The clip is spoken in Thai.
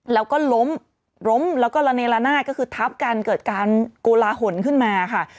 แล้วก็ล้มล้มแล้วก็ระเนละนาดก็คือทับกันเกิดการโกลาหลขึ้นมาค่ะ